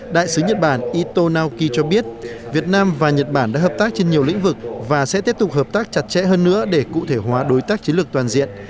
đại sứ nhật bản ito naoki cho biết việt nam và nhật bản đã hợp tác trên nhiều lĩnh vực và sẽ tiếp tục hợp tác chặt chẽ hơn nữa để cụ thể hóa đối tác chiến lược toàn diện